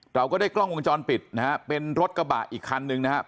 เราก็ได้กล้องวงจรปิดนะฮะเป็นรถกระบะอีกคันนึงนะครับ